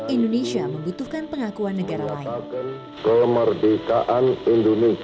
indonesia membutuhkan pengakuan negara lain